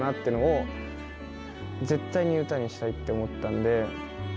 いうのを絶対に歌にしたいって思ったんで。